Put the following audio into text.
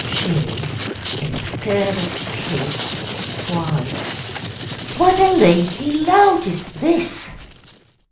She, instead of kiss, Cried, 'What a lazy lout is this!'